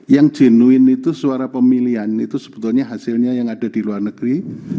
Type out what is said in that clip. yang genuin itu suara pemilihan itu sebetulnya hasilnya yang ada di luar negeri